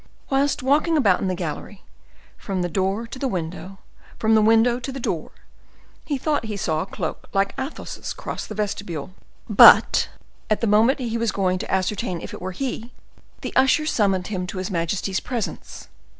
Whilst walking about in the gallery, from the door to the window, from the window to the door, he thought he saw a cloak like Athos's cross the vestibule; but at the moment he was going to ascertain if it were he, the usher summoned him to his majesty's presence.